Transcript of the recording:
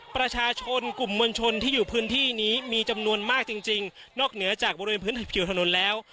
ประชาชนกลุ่มมวลชนที่อยู่พื้นที่นี้มีจำนวนมากจริงจริงนอกเหนือจากบริเวณพื้นผิวถนนแล้ว